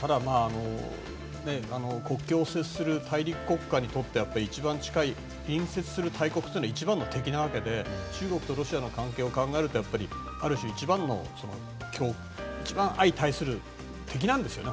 ただ、国境を接する大陸国家にとっては隣接する大国というのは一番の敵なわけで中国とロシアの関係を考えるとやっぱり本来は一番相対する敵なんですよね。